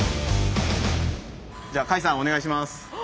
じゃあ甲斐さんお願いします！